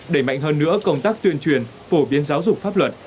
đẩy mạnh hơn nữa công tác tuyên truyền phổ biến giáo dục pháp luật